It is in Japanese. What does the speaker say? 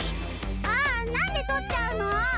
ああっなんで取っちゃうの。